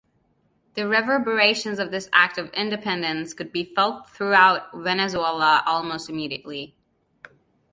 The reverberations of this act of independence could be felt throughout Venezuela almost immediately.